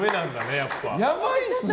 やばいですね。